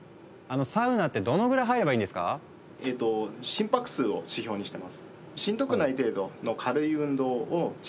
心拍数を指標にしてます。